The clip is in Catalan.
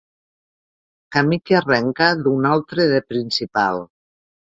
Camí que arrenca d'un altre de principal.